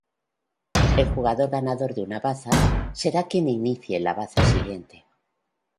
El jugador ganador de una Baza será quien inicie la Baza siguiente.